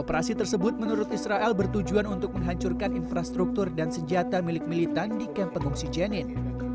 operasi tersebut menurut israel bertujuan untuk menghancurkan infrastruktur dan senjata milik militan di kamp pengungsi jenin